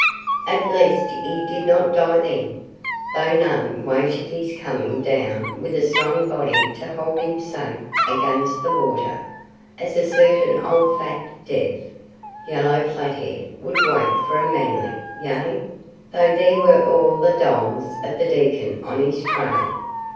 "At least he did not die THEN, though none waited his coming down with a strong body to hold him safe against the water, as a certain old fat, deaf, yellow Flathead would wait for a Manling yea, though there were all the dholes of the Dekkan on his trail.